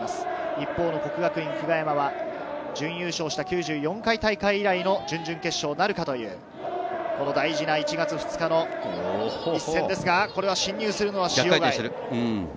一方の國學院久我山は準優勝した９４回大会以来の準々決勝なるかというこの大事な１月２日の一戦ですが、進入するのは塩貝。